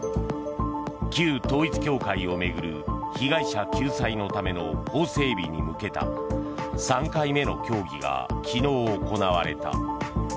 旧統一教会を巡る被害者救済のための法整備に向けた３回目の協議が昨日行われた。